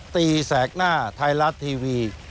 ตีแสดหน้าไทยรัสทีวี